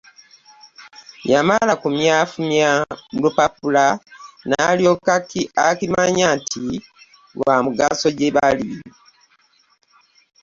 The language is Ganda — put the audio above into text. Yamala kuunyafunya lupapula n'alyoka akimanya nti lwamugaso jebali .